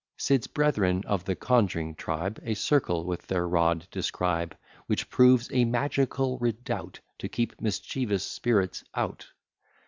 Sid's brethren of the conj'ring tribe, A circle with their rod describe, Which proves a magical redoubt, To keep mischievous spirits out.